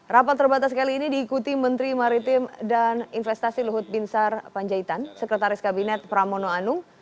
rapat terbatas kali ini diikuti menteri maritim dan investasi luhut binsar panjaitan sekretaris kabinet pramono anung